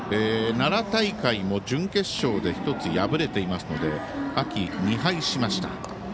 奈良大会も準決勝で１つ、敗れていますので秋、２敗しました。